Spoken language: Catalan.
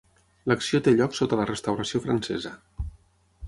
L'acció té lloc sota la Restauració francesa.